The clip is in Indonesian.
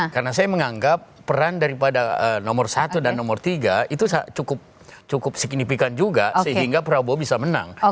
karena saya menganggap peran daripada nomor satu dan nomor tiga itu cukup signifikan juga sehingga prabowo bisa menang